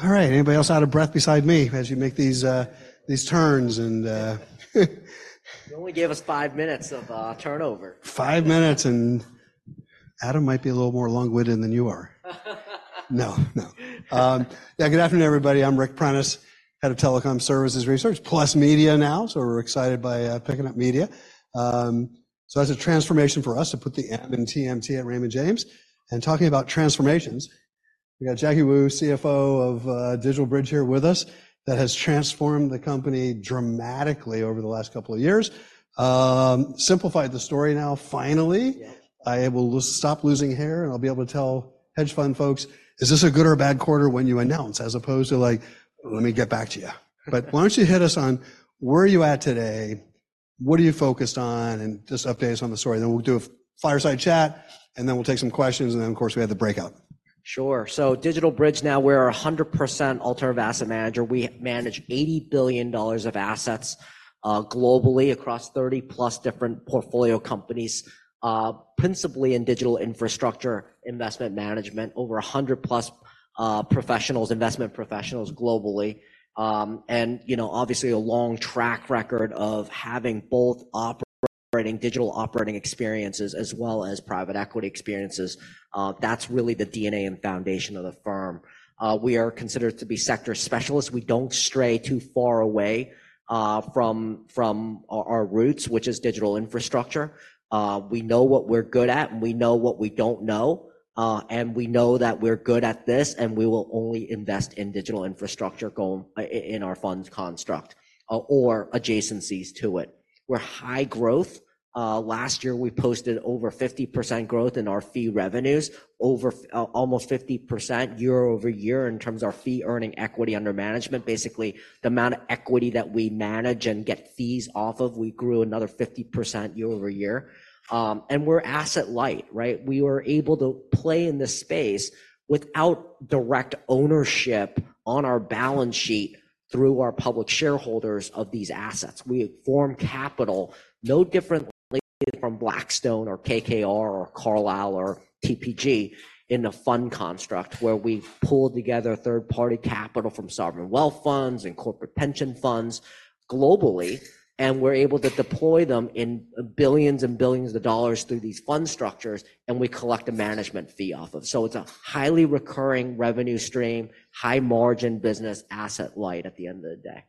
All right. Anybody else out of breath beside me as you make these turns and, You only gave us five minutes of turnover. five minutes, and Adam might be a little more elongated than you are. No, no. Yeah, good afternoon, everybody. I'm Ric Prentiss, head of Telecommunication Services Research plus Media now, so we're excited by picking up media. So that's a transformation for us to put the M in TMT at Raymond James. And talking about transformations, we got Jacky Wu, CFO of DigitalBridge here with us that has transformed the company dramatically over the last couple of years. Simplified the story now. Finally, I will stop losing hair, and I'll be able to tell hedge fund folks, "Is this a good or a bad quarter when you announce?" as opposed to, like, "Let me get back to you." But why don't you hit us on where you at today, what are you focused on, and just updates on the story. Then we'll do a fireside chat, and then we'll take some questions, and then, of course, we have the breakout. Sure. So DigitalBridge now, we're a 100% alternative asset manager. We manage $80 billion of assets globally across 30+ different portfolio companies, principally in digital infrastructure investment management, over 100+ investment professionals globally. And, you know, obviously a long track record of having both operating digital operating experiences as well as private equity experiences. That's really the DNA and foundation of the firm. We are considered to be sector specialists. We don't stray too far away from our roots, which is digital infrastructure. We know what we're good at, and we know what we don't know. And we know that we're good at this, and we will only invest in digital infrastructure going in our funds construct, or adjacencies to it. We're high growth. Last year we posted over 50% growth in our fee revenues, over almost 50% year-over-year in terms of our fee earning equity under management. Basically, the amount of equity that we manage and get fees off of, we grew another 50% year-over-year. And we're asset light, right? We were able to play in this space without direct ownership on our balance sheet through our public shareholders of these assets. We form capital, no differently from Blackstone or KKR or Carlyle or TPG, in a fund construct where we've pulled together third-party capital from sovereign wealth funds and corporate pension funds globally, and we're able to deploy them in billions and billions of dollars through these fund structures, and we collect a management fee off of. So it's a highly recurring revenue stream, high-margin business, asset light at the end of the day.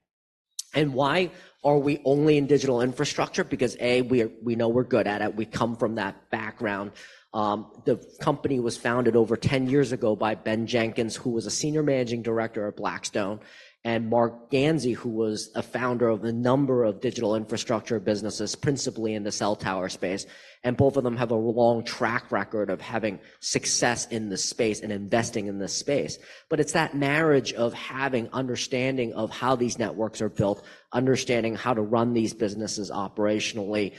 And why are we only in digital infrastructure? Because, A, we know we're good at it. We come from that background. The company was founded over 10 years ago by Ben Jenkins, who was a senior managing director at Blackstone, and Marc Ganzi, who was a founder of a number of digital infrastructure businesses, principally in the cell tower space. And both of them have a long track record of having success in this space and investing in this space. But it's that marriage of having understanding of how these networks are built, understanding how to run these businesses operationally,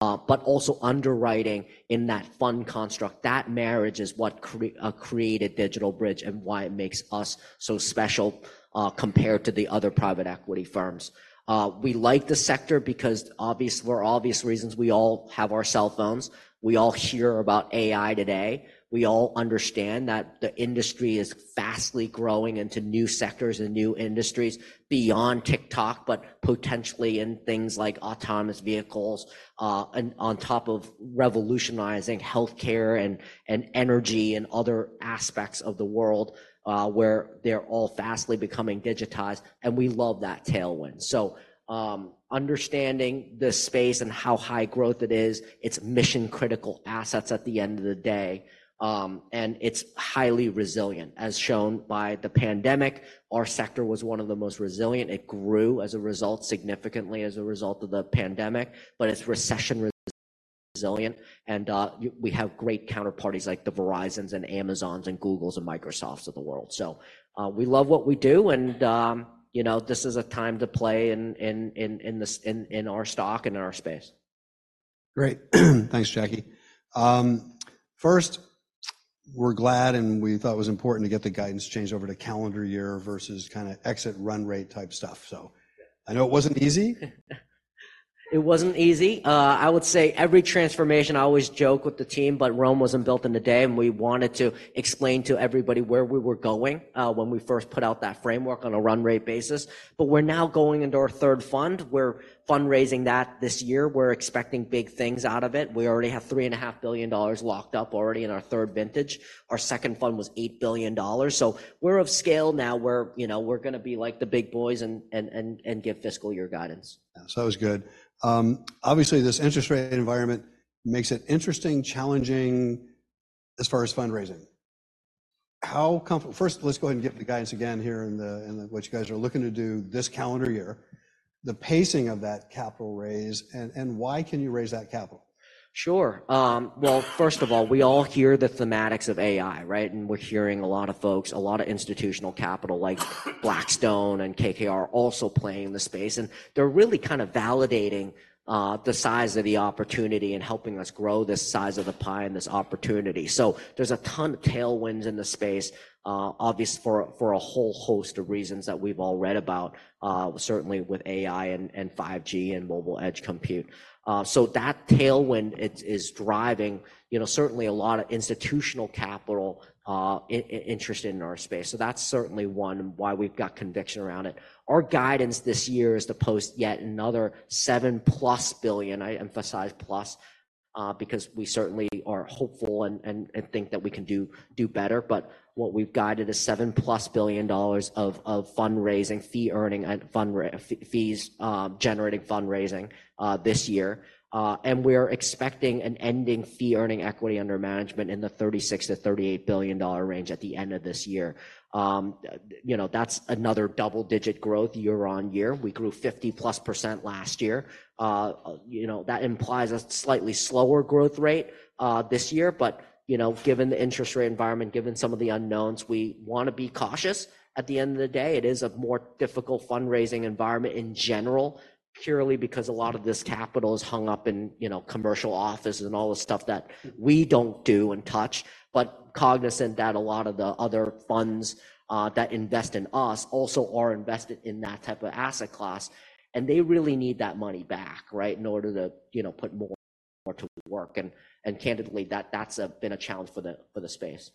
but also underwriting in that fund construct. That marriage is what created DigitalBridge and why it makes us so special, compared to the other private equity firms. We like the sector because, obviously, for obvious reasons, we all have our cell phones. We all hear about AI today. We all understand that the industry is fast growing into new sectors and new industries beyond TikTok, but potentially in things like autonomous vehicles, and on top of revolutionizing healthcare and energy and other aspects of the world, where they're all fast becoming digitized. We love that tailwind. Understanding this space and how high growth it is, it's mission-critical assets at the end of the day, and it's highly resilient. As shown by the pandemic, our sector was one of the most resilient. It grew as a result, significantly as a result of the pandemic, but it's recession-resilient. We have great counterparties like the Verizons and Amazons and Googles and Microsofts of the world. We love what we do, and, you know, this is a time to play in our stock and in our space. Great. Thanks, Jacky. First, we're glad and we thought it was important to get the guidance changed over to calendar year versus kind of exit run rate type stuff. So I know it wasn't easy. It wasn't easy. I would say every transformation I always joke with the team, but Rome wasn't built in a day, and we wanted to explain to everybody where we were going, when we first put out that framework on a run rate basis. But we're now going into our third fund. We're fundraising that this year. We're expecting big things out of it. We already have $3.5 billion locked up in our third vintage. Our second fund was $8 billion. So we're of scale now where, you know, we're going to be like the big boys and give fiscal year guidance. Yeah, sounds good. Obviously, this interest rate environment makes it interesting, challenging as far as fundraising. How comfortable first, let's go ahead and get the guidance again here in what you guys are looking to do this calendar year. The pacing of that capital raise and why can you raise that capital? Sure. Well, first of all, we all hear the thematics of AI, right? And we're hearing a lot of folks, a lot of institutional capital like Blackstone and KKR also playing in the space. And they're really kind of validating the size of the opportunity and helping us grow this size of the pie and this opportunity. So there's a ton of tailwinds in the space, obviously for a whole host of reasons that we've all read about, certainly with AI and 5G and mobile edge compute. So that tailwind is driving, you know, certainly a lot of institutional capital interested in our space. So that's certainly one why we've got conviction around it. Our guidance this year is to post yet another $7+ billion. I emphasize plus, because we certainly are hopeful and think that we can do better. But what we've guided is $7+ billion of fundraising, fee earning, and fundraising fees, generating fundraising, this year. We're expecting an ending fee earning equity under management in the $36 billion-$38 billion range at the end of this year. You know, that's another double-digit growth year-over-year. We grew 50+% last year. You know, that implies a slightly slower growth rate, this year. But, you know, given the interest rate environment, given some of the unknowns, we want to be cautious. At the end of the day, it is a more difficult fundraising environment in general, purely because a lot of this capital is hung up in, you know, commercial offices and all the stuff that we don't do and touch, but cognizant that a lot of the other funds, that invest in us also are invested in that type of asset class. They really need that money back, right, in order to, you know, put more to work. Candidly, that's been a challenge for the space.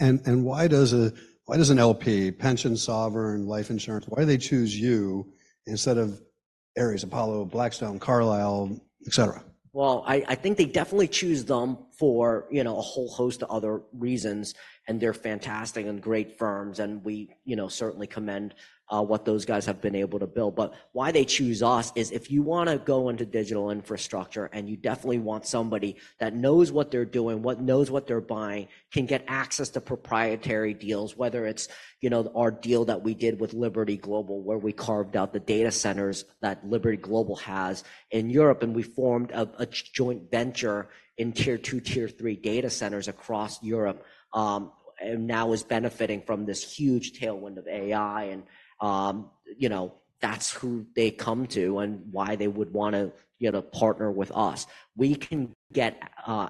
Why does an LP, pension, sovereign, life insurance, why do they choose you instead of Ares, Apollo, Blackstone, Carlyle, etc.? Well, I think they definitely choose them for, you know, a whole host of other reasons. And they're fantastic and great firms. And we, you know, certainly commend what those guys have been able to build. But why they choose us is if you want to go into digital infrastructure and you definitely want somebody that knows what they're doing, knows what they're buying, can get access to proprietary deals, whether it's, you know, our deal that we did with Liberty Global where we carved out the data centers that Liberty Global has in Europe, and we formed a joint venture in tier two, tier three data centers across Europe, and now is benefiting from this huge tailwind of AI. And, you know, that's who they come to and why they would want to, you know, partner with us. We can get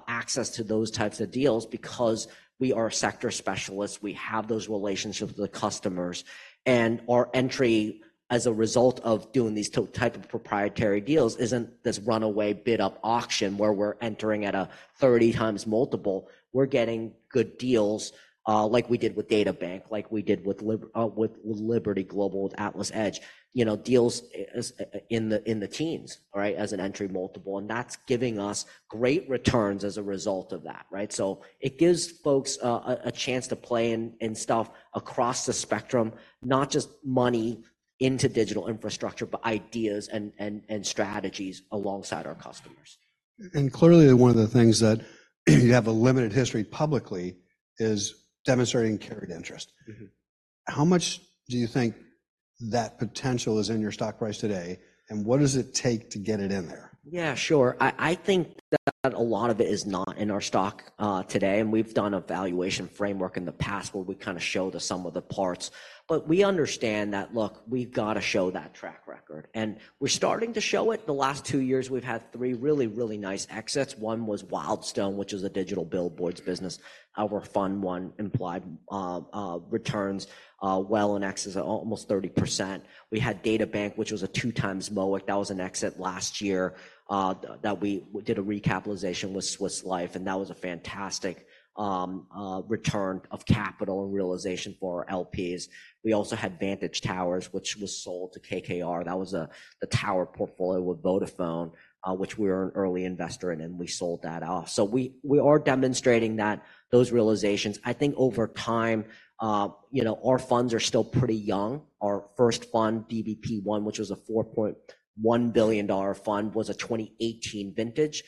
access to those types of deals because we are sector specialists. We have those relationships with the customers. Our entry as a result of doing these type of proprietary deals isn't this runaway bid-up auction where we're entering at a 30x multiple. We're getting good deals, like we did with DataBank, like we did with Liberty Global, with AtlasEdge, you know, deals in the teens, right, as an entry multiple. And that's giving us great returns as a result of that, right? So it gives folks a chance to play in stuff across the spectrum, not just money into digital infrastructure, but ideas and strategies alongside our customers. And clearly, one of the things that you have a limited history publicly is demonstrating carried interest. How much do you think that potential is in your stock price today, and what does it take to get it in there? Yeah, sure. I think that a lot of it is not in our stock today. And we've done a valuation framework in the past where we kind of showed some of the parts. But we understand that, look, we've got to show that track record. And we're starting to show it. The last two years, we've had three really, really nice exits. One was Wildstone, which is a digital billboards business. Our Fund One implied returns, well, in exits at almost 30%. We had DataBank, which was a 2x MOIC. That was an exit last year, that we did a recapitalization with Swiss Life. And that was a fantastic return of capital and realization for our LPs. We also had Vantage Towers, which was sold to KKR. That was the tower portfolio with Vodafone, which we were an early investor in, and we sold that off. So we are demonstrating those realizations. I think over time, you know, our funds are still pretty young. Our first fund, DBP1, which was a $4.1 billion fund, was a 2018 vintage.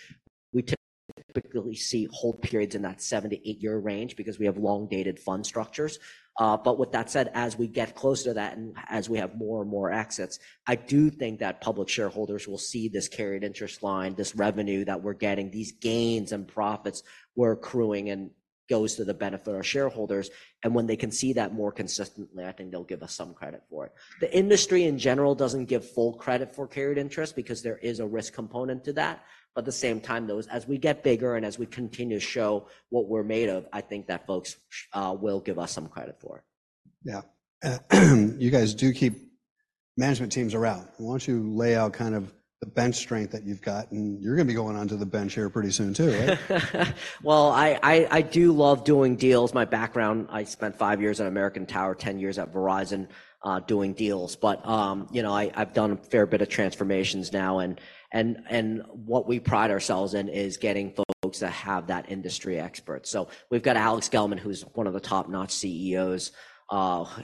We typically see hold periods in that seven to eight year range because we have long-dated fund structures. But with that said, as we get closer to that and as we have more and more exits, I do think that public shareholders will see this carried interest line, this revenue that we're getting, these gains and profits we're accruing, and goes to the benefit of our shareholders. And when they can see that more consistently, I think they'll give us some credit for it. The industry in general doesn't give full credit for carried interest because there is a risk component to that. But at the same time, those, as we get bigger and as we continue to show what we're made of, I think that folks will give us some credit for it. Yeah. You guys do keep management teams around. Why don't you lay out kind of the bench strength that you've got? You're going to be going onto the bench here pretty soon too, right? Well, I do love doing deals. My background, I spent five years at American Tower, 10 years at Verizon, doing deals. But, you know, I've done a fair bit of transformations now. And what we pride ourselves in is getting folks that have that industry experts. So we've got Alex Gellman, who's one of the top-notch CEOs,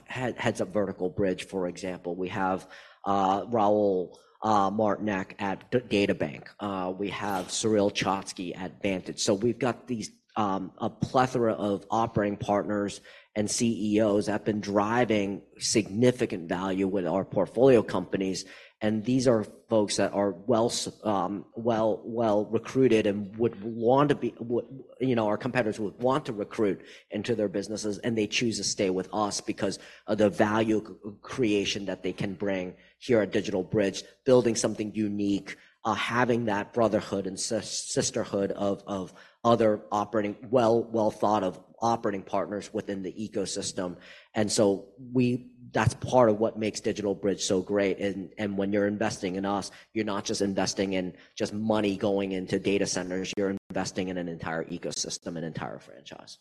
heads up Vertical Bridge, for example. We have Raul Martynek at DataBank. We have Sureel Choksi at Vantage. So we've got these, a plethora of operating partners and CEOs that have been driving significant value with our portfolio companies. These are folks that are well recruited and would want to, you know, our competitors would want to recruit into their businesses, and they choose to stay with us because of the value creation that they can bring here at DigitalBridge, building something unique, having that brotherhood and sisterhood of other operating well-thought-of operating partners within the ecosystem. So that's part of what makes DigitalBridge so great. And when you're investing in us, you're not just investing in just money going into data centers. You're investing in an entire ecosystem, an entire franchise.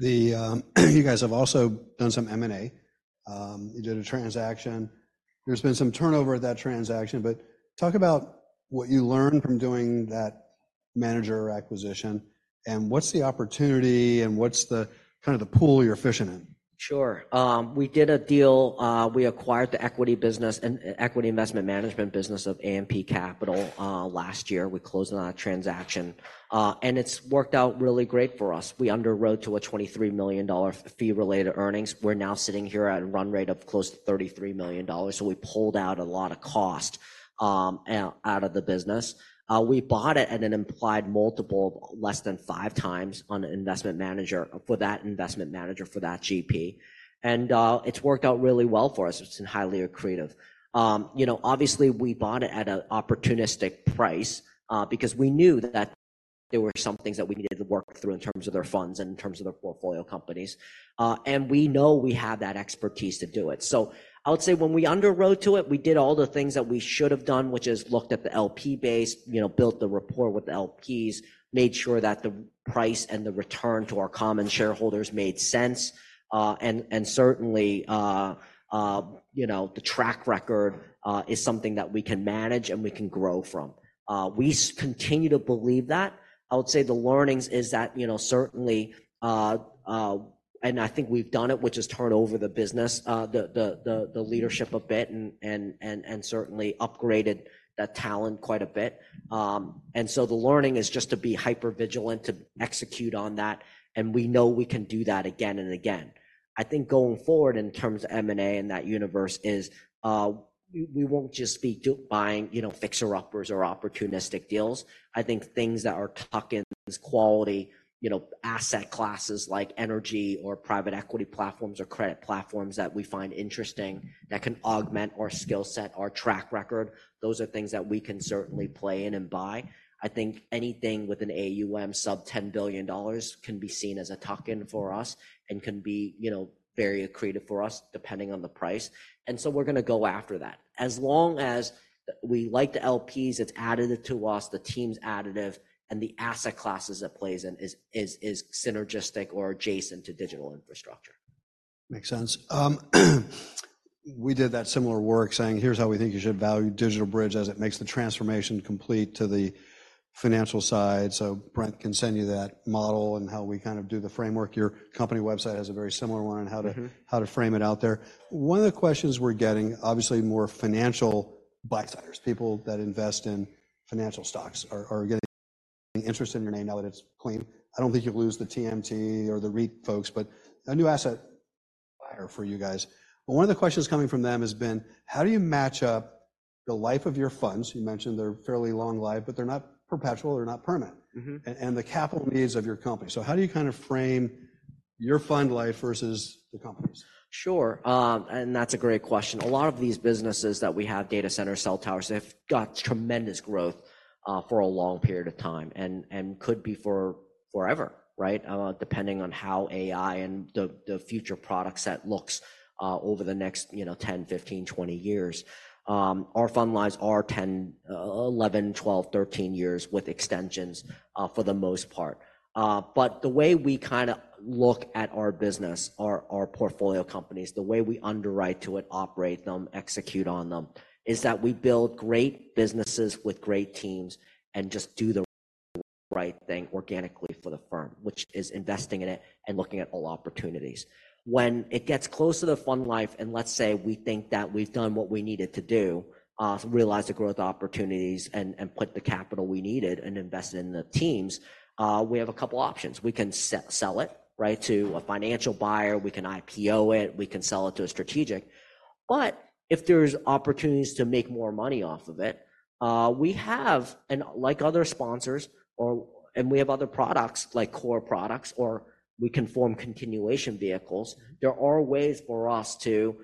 You guys have also done some M&A. You did a transaction. There's been some turnover at that transaction. But talk about what you learned from doing that manager acquisition. And what's the opportunity and what's the kind of the pool you're fishing in? Sure. We did a deal. We acquired the equity business and equity investment management business of AMP Capital last year. We closed on that transaction. It's worked out really great for us. We underwrote to a $23 million fee-related earnings. We're now sitting here at a run rate of close to $33 million. So we pulled out a lot of cost out of the business. We bought it at an implied multiple of less than 5x on an investment manager for that investment manager for that GP. It's worked out really well for us. It's been highly accretive. You know, obviously, we bought it at an opportunistic price, because we knew that there were some things that we needed to work through in terms of their funds and in terms of their portfolio companies. We know we have that expertise to do it. So I would say when we underwrote to it, we did all the things that we should have done, which is looked at the LP base, you know, built the report with the LPs, made sure that the price and the return to our common shareholders made sense. And certainly, you know, the track record is something that we can manage and we can grow from. We continue to believe that. I would say the learnings is that, you know, certainly, and I think we've done it, which is turned over the business, the leadership a bit and certainly upgraded that talent quite a bit. And so the learning is just to be hypervigilant to execute on that. We know we can do that again and again. I think going forward in terms of M&A in that universe is, we won't just be buying, you know, fixer-uppers or opportunistic deals. I think things that are tucked in as quality, you know, asset classes like energy or private equity platforms or credit platforms that we find interesting that can augment our skill set, our track record, those are things that we can certainly play in and buy. I think anything with an AUM sub $10 billion can be seen as a tuck-in for us and can be, you know, very accretive for us depending on the price. And so we're going to go after that. As long as we like the LPs, it's additive to us, the team's additive, and the asset classes it plays in is synergistic or adjacent to digital infrastructure. Makes sense. We did that similar work saying, "Here's how we think you should value DigitalBridge as it makes the transformation complete to the financial side." So Brent can send you that model and how we kind of do the framework. Your company website has a very similar one on how to frame it out there. One of the questions we're getting, obviously more financial buy-siders, people that invest in financial stocks are getting interest in your name now that it's clean. I don't think you'll lose the TMT or the REIT folks, but a new asset buyer for you guys. But one of the questions coming from them has been, "How do you match up the life of your funds?" You mentioned they're fairly long life, but they're not perpetual. They're not permanent. And the capital needs of your company. How do you kind of frame your fund life versus the company's? Sure. That's a great question. A lot of these businesses that we have, data centers, cell towers, they've got tremendous growth for a long period of time and could be forever, right, depending on how AI and the future product set looks over the next, you know, 10, 15, 20 years. Our fund lives are 10, 11, 12, 13 years with extensions for the most part. But the way we kind of look at our business, our portfolio companies, the way we underwrite to it, operate them, execute on them, is that we build great businesses with great teams and just do the right thing organically for the firm, which is investing in it and looking at all opportunities. When it gets close to the fund life and let's say we think that we've done what we needed to do, realized the growth opportunities and put the capital we needed and invested in the teams, we have a couple of options. We can sell it, right, to a financial buyer. We can IPO it. We can sell it to a strategic. But if there's opportunities to make more money off of it, we have and like other sponsors or and we have other products like core products or we can form continuation vehicles. There are ways for us to,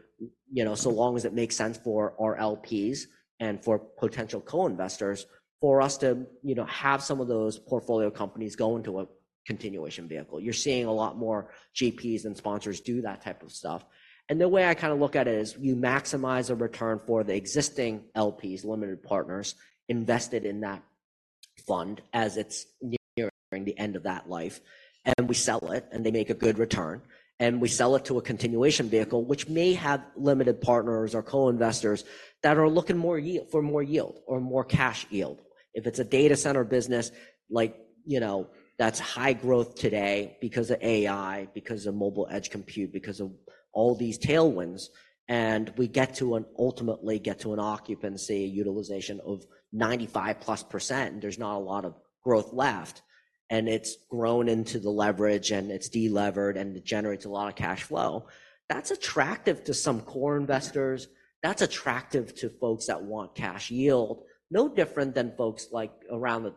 you know, so long as it makes sense for our LPs and for potential co-investors, for us to, you know, have some of those portfolio companies go into a continuation vehicle. You're seeing a lot more GPs and sponsors do that type of stuff. The way I kind of look at it is you maximize a return for the existing LPs, limited partners invested in that fund as it's nearing the end of that life. We sell it, and they make a good return. We sell it to a continuation vehicle, which may have limited partners or co-investors that are looking for more yield or more cash yield. If it's a data center business, like, you know, that's high growth today because of AI, because of Mobile Edge Compute, because of all these tailwinds. We get to an ultimately get to an occupancy utilization of 95%+. There's not a lot of growth left. It's grown into the leverage, and it's delevered, and it generates a lot of cash flow. That's attractive to some core investors. That's attractive to folks that want cash yield. No different than folks like around the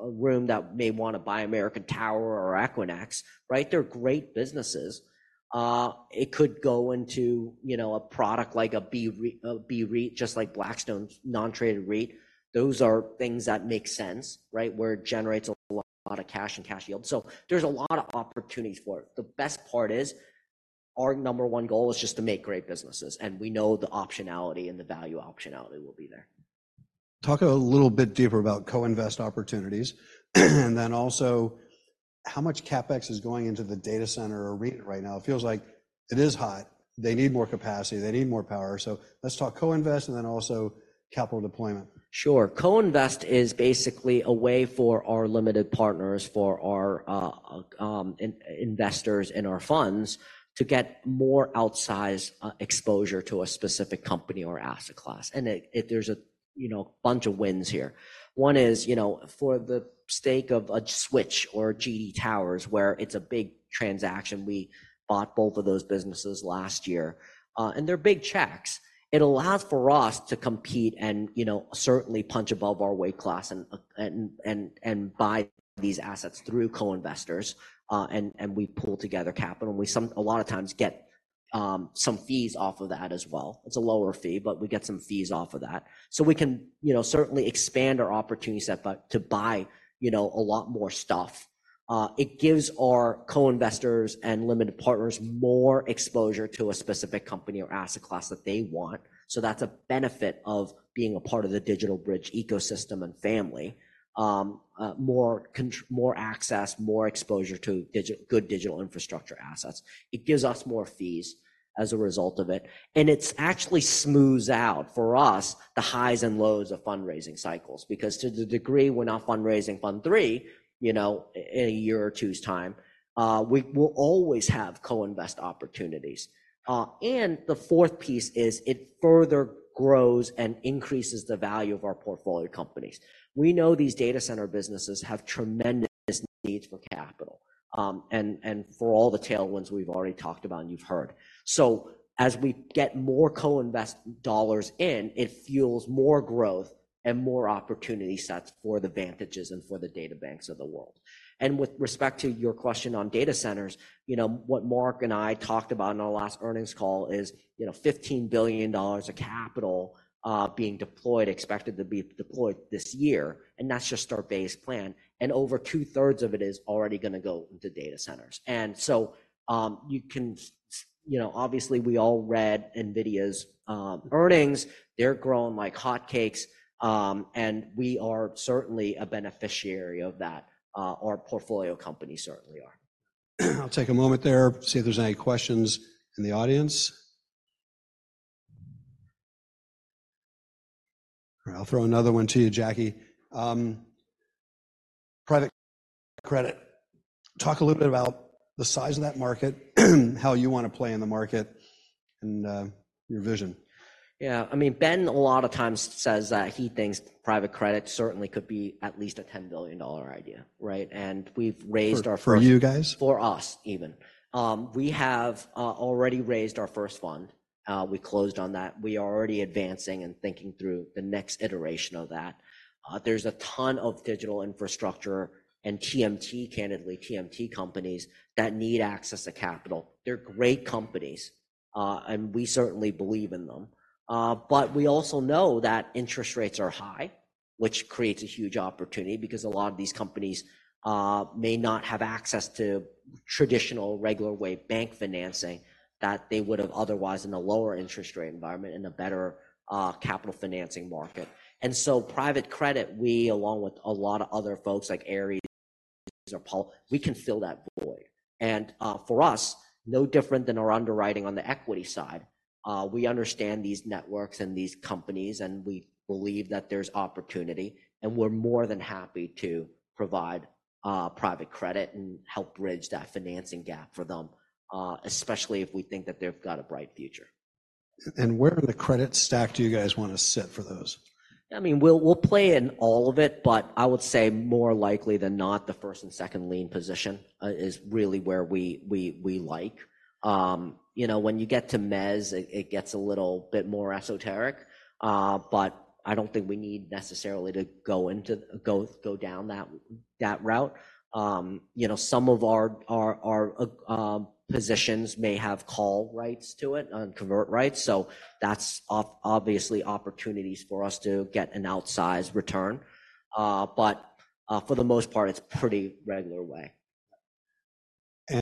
room that may want to buy American Tower or Equinix, right? They're great businesses. It could go into, you know, a product like a BREIT, just like Blackstone's non-traded REIT. Those are things that make sense, right, where it generates a lot of cash and cash yield. So there's a lot of opportunities for it. The best part is our number one goal is just to make great businesses. And we know the optionality and the value optionality will be there. Talk a little bit deeper about co-invest opportunities. And then also, how much CapEx is going into the data center or REIT right now? It feels like it is hot. They need more capacity. They need more power. So let's talk co-invest and then also capital deployment. Sure. Co-invest is basically a way for our limited partners, for our investors in our funds, to get more outsized exposure to a specific company or asset class. There's a, you know, bunch of wins here. One is, you know, for the sake of Switch or GD Towers, where it's a big transaction, we bought both of those businesses last year. They're big checks. It allows for us to compete and, you know, certainly punch above our weight class and buy these assets through co-investors. We pull together capital. We a lot of times get some fees off of that as well. It's a lower fee, but we get some fees off of that. We can, you know, certainly expand our opportunity set to buy, you know, a lot more stuff. It gives our co-investors and limited partners more exposure to a specific company or asset class that they want. So that's a benefit of being a part of the DigitalBridge ecosystem and family. More access, more exposure to good digital infrastructure assets. It gives us more fees as a result of it. And it actually smooths out for us the highs and lows of fundraising cycles. Because to the degree we're not fundraising fund three, you know, in a year or two's time, we will always have co-invest opportunities. And the fourth piece is it further grows and increases the value of our portfolio companies. We know these data center businesses have tremendous needs for capital. And for all the tailwinds we've already talked about and you've heard. So as we get more co-invest dollars in, it fuels more growth and more opportunity sets for the Vantage and for the DataBank of the world. And with respect to your question on data centers, you know, what Marc and I talked about on our last earnings call is, you know, $15 billion of capital being deployed, expected to be deployed this year. And that's just our base plan. And over two-thirds of it is already going to go into data centers. And so you can, you know, obviously, we all read NVIDIA's earnings. They're growing like hotcakes. And we are certainly a beneficiary of that. Our portfolio companies certainly are. I'll take a moment there, see if there's any questions in the audience. All right. I'll throw another one to you, Jacky. Private credit. Talk a little bit about the size of that market, how you want to play in the market, and your vision. Yeah. I mean, Ben, a lot of times says that he thinks private credit certainly could be at least a $10 billion idea, right? And we've raised our first. For you guys? For us, even. We have already raised our first fund. We closed on that. We are already advancing and thinking through the next iteration of that. There's a ton of digital infrastructure and TMT, candidly, TMT companies that need access to capital. They're great companies. And we certainly believe in them. But we also know that interest rates are high, which creates a huge opportunity because a lot of these companies may not have access to traditional regular-way bank financing that they would have otherwise in a lower interest rate environment in a better capital financing market. And so private credit, we, along with a lot of other folks like Ares or Apollo, we can fill that void. And for us, no different than our underwriting on the equity side. We understand these networks and these companies, and we believe that there's opportunity. We're more than happy to provide private credit and help bridge that financing gap for them, especially if we think that they've got a bright future. Where in the credit stack do you guys want to sit for those? I mean, we'll play in all of it, but I would say more likely than not, the first and second lien position is really where we like. You know, when you get to MEZ, it gets a little bit more esoteric. But I don't think we need necessarily to go down that route. You know, some of our positions may have call rights to it and convert rights. So that's obviously opportunities for us to get an outsized return. But for the most part, it's pretty regular way.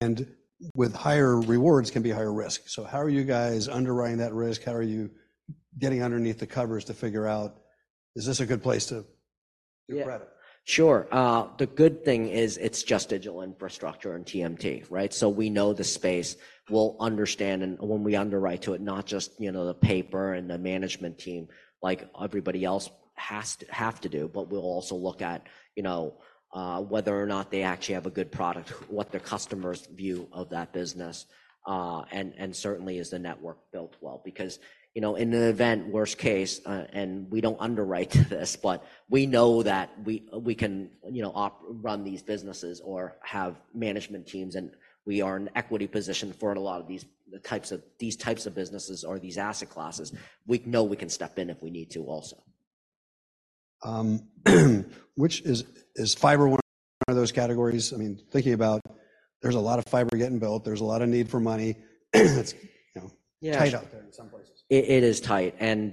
And with higher rewards can be higher risk. So how are you guys underwriting that risk? How are you getting underneath the covers to figure out, is this a good place to do credit? Sure. The good thing is it's just digital infrastructure and TMT, right? So we know the space. We'll understand when we underwrite to it, not just, you know, the paper and the management team like everybody else has to do, but we'll also look at, you know, whether or not they actually have a good product, what their customer's view of that business, and certainly is the network built well. Because, you know, in the event, worst case, and we don't underwrite this, but we know that we can, you know, run these businesses or have management teams and we are in equity position for a lot of these types of businesses or these asset classes, we know we can step in if we need to also. Which is fiber one of those categories? I mean, thinking about, there's a lot of fiber getting built. There's a lot of need for money. It's, you know, tight out there in some places. It is tight. And,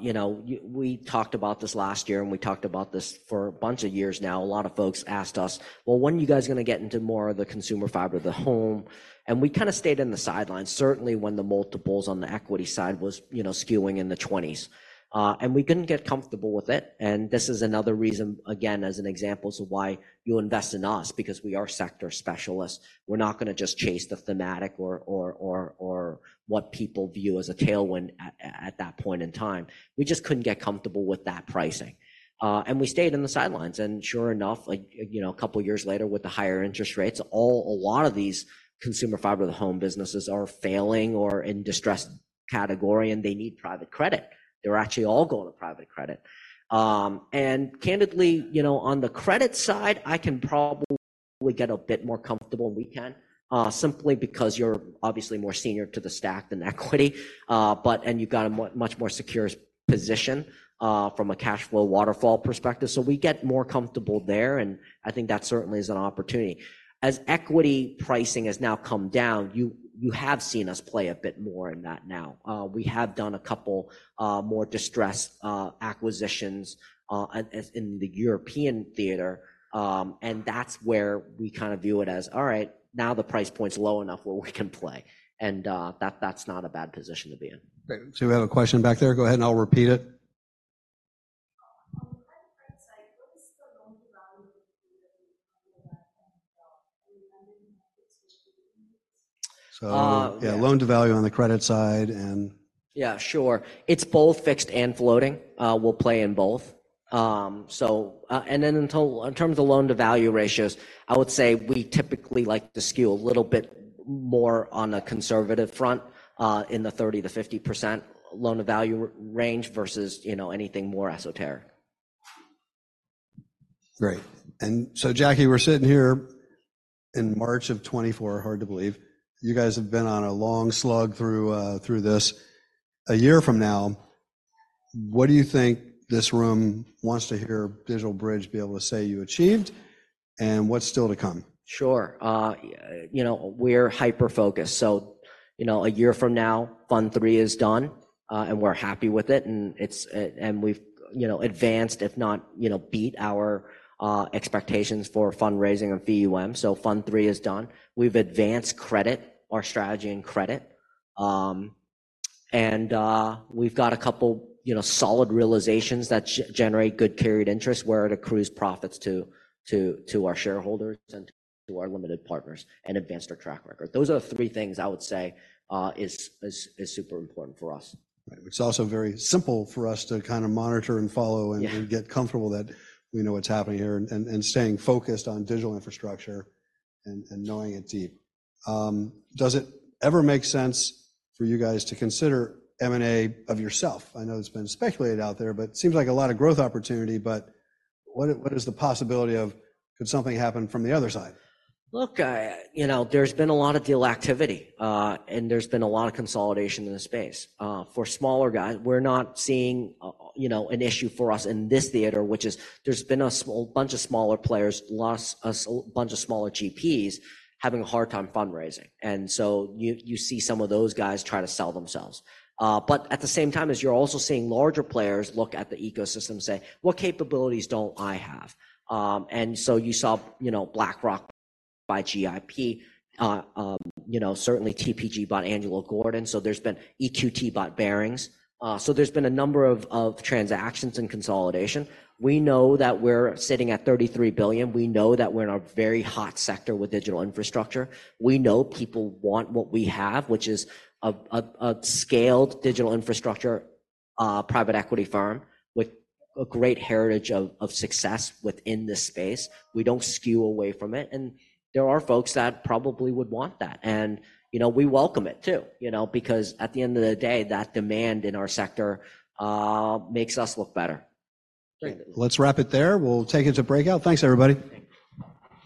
you know, we talked about this last year, and we talked about this for a bunch of years now. A lot of folks asked us, "Well, when are you guys going to get into more of the consumer fiber-to-the-home?" And we kind of stayed in the sidelines, certainly when the multiples on the equity side was, you know, skewing in the 20s. And we couldn't get comfortable with it. And this is another reason, again, as an example of why you invest in us, because we are sector specialists. We're not going to just chase the thematic or what people view as a tailwind at that point in time. We just couldn't get comfortable with that pricing. And we stayed in the sidelines. And sure enough, you know, a couple of years later with the higher interest rates, a lot of these consumer fiber, the home businesses are failing or in distressed category, and they need private credit. They're actually all going to private credit. And candidly, you know, on the credit side, I can probably get a bit more comfortable, and we can, simply because you're obviously more senior to the stack than equity, and you've got a much more secure position from a cash flow waterfall perspective. So we get more comfortable there. And I think that certainly is an opportunity. As equity pricing has now come down, you have seen us play a bit more in that now. We have done a couple more distressed acquisitions in the European theater. That's where we kind of view it as, "All right, now the price point's low enough where we can play." That's not a bad position to be in. Great. Do we have a question back there? Go ahead, and I'll repeat it. On the credit side, what is the loan-to-value ratio that we're talking about? And remember, you have fixed and floating rates. So yeah, Loan-to-Value on the credit side and. Yeah, sure. It's both fixed and floating. We'll play in both. And then in terms of loan-to-value ratios, I would say we typically like to skew a little bit more on a conservative front in the 30%-50% loan-to-value range versus, you know, anything more esoteric. Great. And so, Jacky, we're sitting here in March of 2024, hard to believe. You guys have been on a long slug through this. A year from now, what do you think this room wants to hear DigitalBridge be able to say you achieved? And what's still to come? Sure. You know, we're hyper-focused. So, you know, a year from now, Fund 3 is done, and we're happy with it. And we've, you know, advanced, if not, you know, beat our expectations for fundraising and VUM. So Fund 3 is done. We've advanced credit, our strategy in credit. And we've got a couple, you know, solid realizations that generate good carried interest where it accrues profits to our shareholders and to our limited partners and advanced our track record. Those are the three things I would say are super important for us. Right. It's also very simple for us to kind of monitor and follow and get comfortable that we know what's happening here and staying focused on digital infrastructure and knowing it deep. Does it ever make sense for you guys to consider M&A of yourself? I know it's been speculated out there, but it seems like a lot of growth opportunity. But what is the possibility of could something happen from the other side? Look, you know, there's been a lot of deal activity, and there's been a lot of consolidation in the space. For smaller guys, we're not seeing, you know, an issue for us in this theater, which is there's been a bunch of smaller players, a bunch of smaller GPs having a hard time fundraising. And so you see some of those guys try to sell themselves. But at the same time, you're also seeing larger players look at the ecosystem and say, "What capabilities don't I have?" And so you saw, you know, BlackRock bought by GIP. You know, certainly TPG bought Angelo Gordon. So there's been EQT bought Barings. So there's been a number of transactions and consolidation. We know that we're sitting at $33 billion. We know that we're in a very hot sector with digital infrastructure. We know people want what we have, which is a scaled digital infrastructure private equity firm with a great heritage of success within this space. We don't shy away from it. And there are folks that probably would want that. And, you know, we welcome it too, you know, because at the end of the day, that demand in our sector makes us look better. Great. Let's wrap it there. We'll take it to breakout. Thanks, everybody. Thanks.